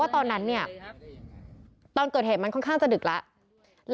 ตอนเกิดเหตุมันค่อนข้างจะดึกแล้ว